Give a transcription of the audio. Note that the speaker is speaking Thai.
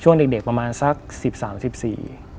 เด็กเด็กประมาณสักสิบสามสิบสี่